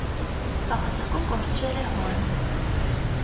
Վաղ հասակում կորցրել է հորը։